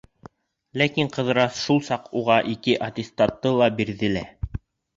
Ләкин Ҡыҙырас шул саҡ уға ике аттестатты ла бирҙе лә: